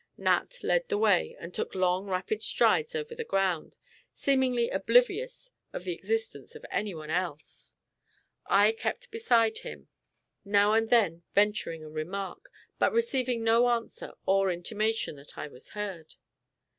Nat led the way, and took long, rapid strides over the ground, seemingly oblivious of the existence of any one else. I kept beside him, now and then venturing a remark, but receiving no answer or intimation that I was heard.